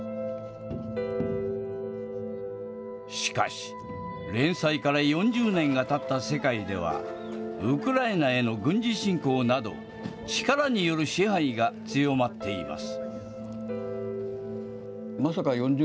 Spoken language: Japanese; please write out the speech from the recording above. しかし、連載から４０年がたった世界では、ウクライナへの軍事侵攻など、力による支配が強まっています。